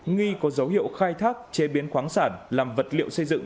nghi có dấu hiệu khai thác chế biến khoáng sản làm vật liệu xây dựng